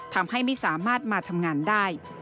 ทำให้ไม่สามารถมาทำงานได้